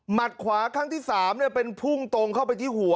ขวาครั้งที่๓เป็นพุ่งตรงเข้าไปที่หัว